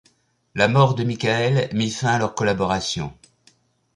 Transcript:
La mort de Michael mit fin à leur collaboration.